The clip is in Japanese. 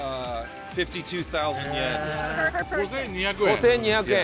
５２００円！